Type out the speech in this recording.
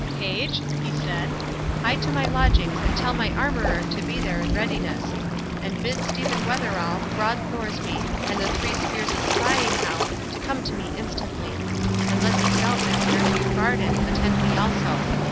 —Page," he said, "hie to my lodgings, and tell my armourer to be there in readiness; and bid Stephen Wetheral, Broad Thoresby, and the Three Spears of Spyinghow, come to me instantly; and let the scout master, Hugh Bardon, attend me also.